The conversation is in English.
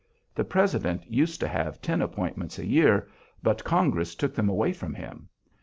The President used to have ten appointments a year, but Congress took them away from him.